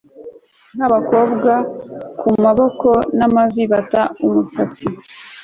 nkabakobwa kumaboko n'amavi bata umusatsi